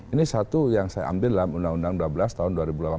ini satu yang saya ambil dalam undang undang dua belas tahun dua ribu delapan belas